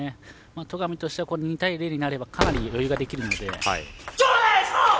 戸上としては２対０になればかなり余裕ができるので。